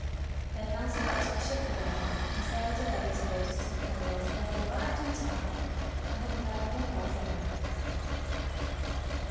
Then Launcelot took ship again, and sailed aw^ay toward dis tant Camelot where he arrived in time — a humbler and a wiser man.